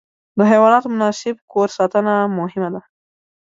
د حیواناتو مناسب کور ساتنه مهمه ده.